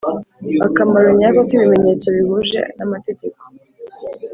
akamaro nyako k'ibimenyetso bihuje n'amategeko.